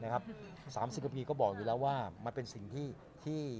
๓๐กว่าปีก็บอกอยู่แล้วว่ามันเป็นสิ่งที่